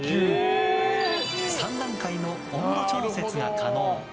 ３段階の温度調節が可能。